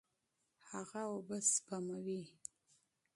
هغه اوبه سپموي.